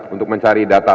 untuk mencari data